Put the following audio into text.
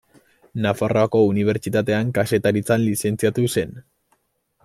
Nafarroako Unibertsitatean Kazetaritzan lizentziatu zen.